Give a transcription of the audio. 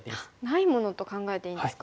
ないものと考えていいんですか。